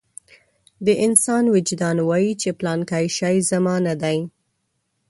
د انسان وجدان وايي چې پلانکی شی زما نه دی.